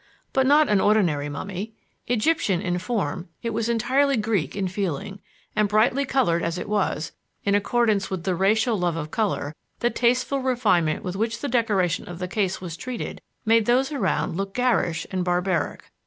But not an ordinary mummy. Egyptian in form, it was entirely Greek in feeling; and brightly colored as it was, in accordance with the racial love of color, the tasteful refinement with which the decoration of the case was treated made those around look garish and barbaric.